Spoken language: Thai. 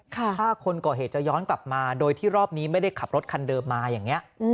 ถ้าคนก่อเหตุจะย้อนกลับมาโดยที่รอบนี้ไม่ได้ขับรถคันเดิมมาอย่างนี้